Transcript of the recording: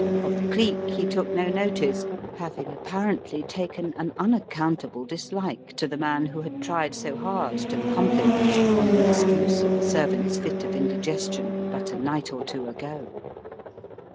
Of Cleek he took no notice, having apparently taken an unaccountable dislike to the man who had tried so hard to pump him, on the excuse of a servant's fit of indigestion but a night or two ago.